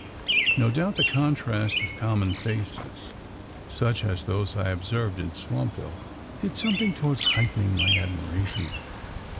No doubt the contrast of common faces such as those I observed in Swampville did something towards heightening my admiration.